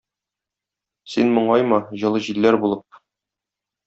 Син моңайма, җылы җилләр булып